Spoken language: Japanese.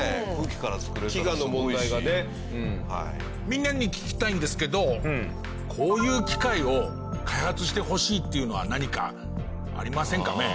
みんなに聞きたいんですけどこういう機械を開発してほしいっていうのは何かありませんかね？